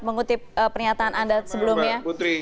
mengutip pernyataan anda sebelumnya